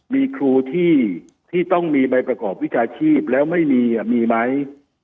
มีครูที่ต้องมีใบประกอบวิชาชีพแล้วไม่มีมีไหม